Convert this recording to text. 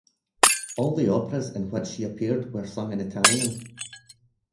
All the operas in which she appeared were sung in Italian.